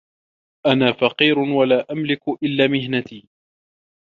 أنا فقير و لا أملك إلاّ مهنتي.